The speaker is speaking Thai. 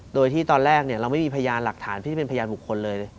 โดยที่ตอนแรกเราไม่มีพยานหลักฐานที่จะเป็นพยานบุคคลเลย